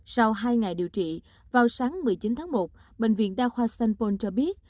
sau hai ngày điều trị vào sáng một mươi chín tháng một bệnh viện đa khoa sanpon cho biết